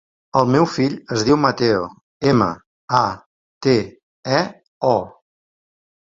El meu fill es diu Mateo: ema, a, te, e, o.